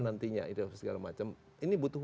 nantinya itu segala macam ini butuh